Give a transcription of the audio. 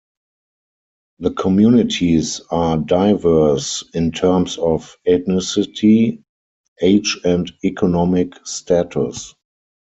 The communities are diverse in terms of ethnicity, age and economic status.